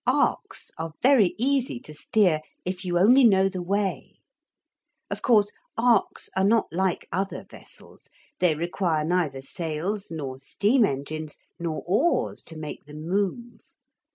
Arks are very easy to steer if you only know the way. Of course arks are not like other vessels; they require neither sails nor steam engines, nor oars to make them move.